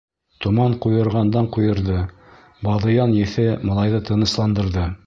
Томан ҡуйырғандан-ҡуйырҙы, баҙыян еҫе малайҙы тынысландырҙы.